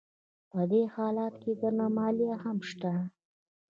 په دې حالت کې درنه مالیه هم شته